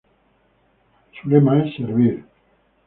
Su lema es: "Servir".